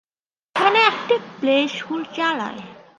নায়না এখানে একটি প্লেস্কুল চালায়।